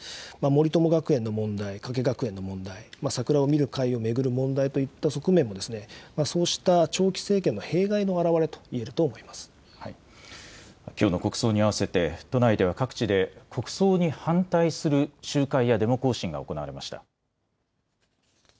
森友学園の問題、加計学園の問題、桜を見る会を巡る問題といった側面も、そうした長期政権の弊害のきょうの国葬に合わせて、都内では各地で国葬に反対する集会やデモ行進が行われました。